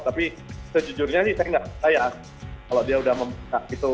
tapi sejujurnya sih saya enggak saya kalau dia sudah membaca gitu